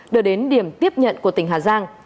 đưa đến điểm tiếp nhận của tỉnh hà giang